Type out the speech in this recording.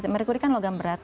merkuri kan logam berat